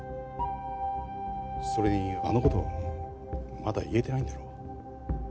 それにあの事まだ言えてないんだろ？